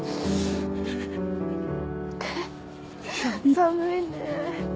寒いね。